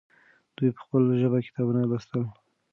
دوی په خپله ژبه کتابونه لوستل.